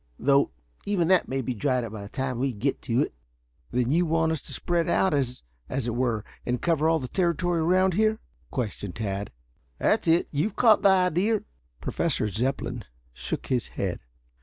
Though even that may be dried up by the time we get to it." "Then you want us to spread out, as it were, and cover all the territory about here?" questioned Tad. "That's it. You've caught the idea." Professor Zepplin shook his head.